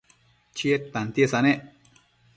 Chied tantiesa nec